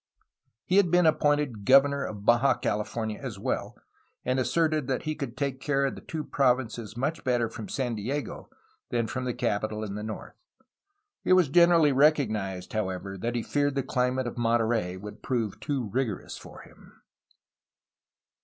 He had been appointed governor of Baja California as well, and asserted that he could take care of the two provinces much better from San Diego than from the capital in the north. It was generally recognized, however, that he feared the cUmate of Monterey would prove too rigorous for him.